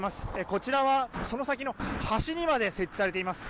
こちらはその先の橋にまで設置されています。